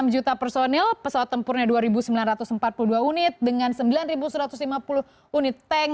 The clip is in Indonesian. enam juta personil pesawat tempurnya dua sembilan ratus empat puluh dua unit dengan sembilan satu ratus lima puluh unit tank